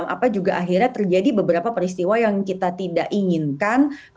apa juga akhirnya terjadi beberapa peristiwa yang kita tidak inginkan